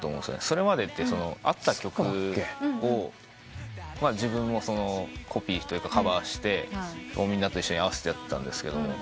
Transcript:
それまでってあった曲をコピーというかカバーしてみんなと一緒に合わせてやってたんですけど。